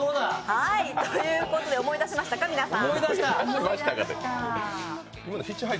ということで思い出しましたか、皆さん？